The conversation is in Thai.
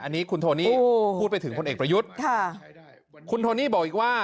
อันนี้คุณโทนี่พูดไปถึงพลเอกประยุทธ์ค่ะคุณโทนี่บอกอีกว่า